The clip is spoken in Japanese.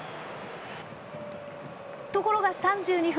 ところが、３２分。